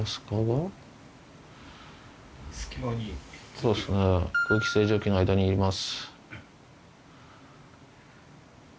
そうですね空気清浄機の間にいます。